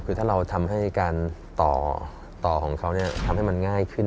คือถ้าเราทำให้การต่อของเขาทำให้มันง่ายขึ้น